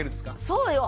そうよ。